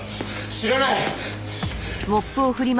知らない。